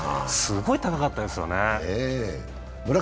すごい高かったですよね。